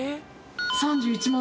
３１万